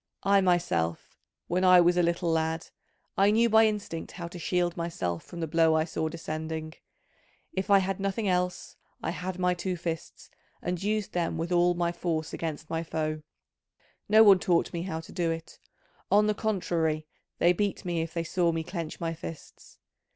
I myself, when I was a little lad, I knew by instinct how to shield myself from the blow I saw descending: if I had nothing else, I had my two fists, and used them with all my force against my foe: no one taught me how to do it, on the contrary they beat me if they saw me clench my fists.